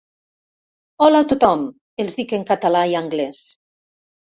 Hola a tothom —els dic en català i anglès.